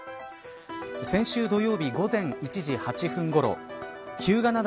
先週土曜日、午前１時８分ごろ日向